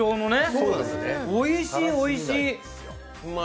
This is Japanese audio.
おいしい、おいしい。